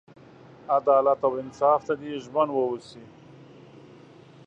عدالت او انصاف ته دې ژمن ووسي.